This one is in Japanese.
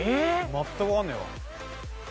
全くわかんねえわ。